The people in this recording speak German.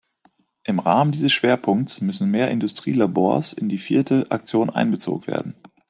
Im Rahmen dieses Schwerpunkts müssen mehr Industrielabors in die vierte Aktion einbezogen werden.